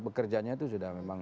bekerjanya itu sudah memang